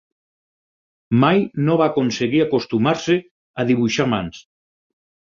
Mai no va aconseguir acostumar-se a dibuixar mans.